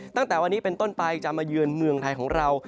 ตั้งแต่วันนี้เป็นต้นไปจะมาเยือนเมืองไทยของเรา